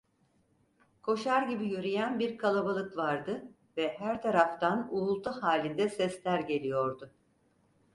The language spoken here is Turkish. Koşar gibi yürüyen bir kalabalık vardı ve her taraftan uğultu halinde sesler geliyordu.